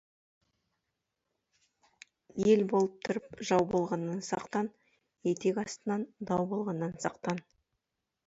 Ел болып тұрып, жау болғаннан сақтан, етек астынан дау болғаннан сақтан.